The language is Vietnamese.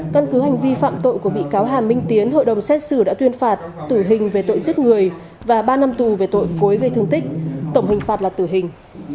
căn cứ hành vi phạm tội của bị cáo hà minh tiến hội đồng xét xử đã tuyên phạt tử hình về tội giết người và ba năm tù về tội cối gây thương tích tổng hình phạt là tử hình